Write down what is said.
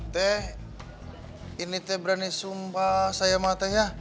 teh ini teh berani sumpah saya mah teh ya